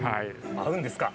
合うんですか？